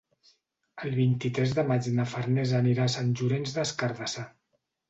El vint-i-tres de maig na Farners anirà a Sant Llorenç des Cardassar.